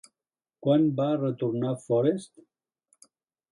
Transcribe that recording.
Quan va retornar Forest?